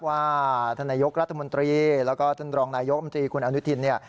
ว่าธนายกรัฐมนตรีแล้วก็ธนรองนายกรัฐมนตรีคุณอนุทีน